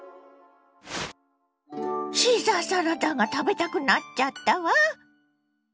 シーザーサラダが食べたくなっちゃったわ。